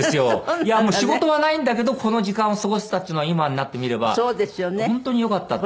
いやもう仕事はないんだけどこの時間を過ごせたっていうのは今になってみれば本当によかったって。